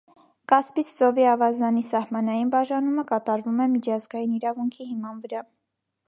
Կասպից ծովի ավազանի սահմանային բաժանումը կատարվում է միջազգային իրավունքի հիման վրա։